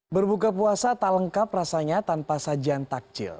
berbuka puasa tak lengkap rasanya tanpa sajian takjil